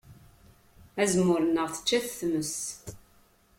Azemmur-nneɣ tečča-t tmes.